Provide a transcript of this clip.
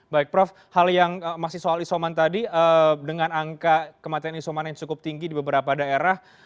baik prof hal yang masih soal isoman tadi dengan angka kematian isoman yang cukup tinggi di beberapa daerah